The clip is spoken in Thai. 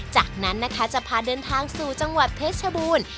จากนั้นนะคะจะพาเดินทางสู่จังหวัดเพชรบูรณ์